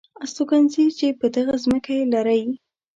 استوګنځي چې په دغه ځمکه یې لرئ .